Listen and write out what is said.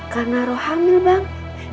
karena roh hamil bang